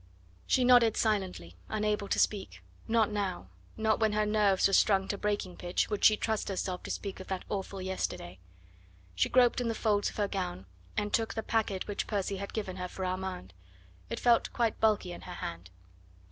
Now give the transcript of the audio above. She nodded silently, unable to speak. Not now, not when her nerves were strung to breaking pitch, would she trust herself to speak of that awful yesterday. She groped in the folds of her gown and took the packet which Percy had given her for Armand. It felt quite bulky in her hand.